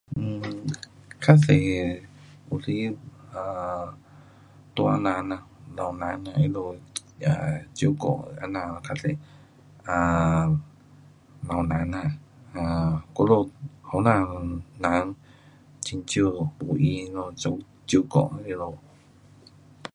um 较多有时啊，大人呐，老人呐，他们啊，照顾这样较多，啊，老人呐，啊，我们年轻人很少没空那里照顾他们。